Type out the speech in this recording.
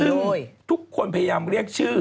ซึ่งทุกคนพยายามเรียกชื่อ